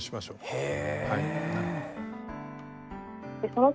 へえ。